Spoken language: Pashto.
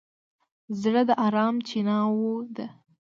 زړه د ارام چیناوه ده.